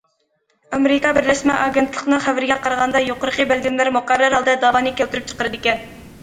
ئامېرىكا بىرلەشمە ئاگېنتلىقىنىڭ خەۋىرىگە قارىغاندا، يۇقىرىقى بەلگىلىمىلەر مۇقەررەر ھالدا دەۋانى كەلتۈرۈپ چىقىرىدىكەن.